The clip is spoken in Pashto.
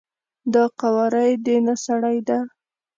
دا قواره یی د نه سړی ده،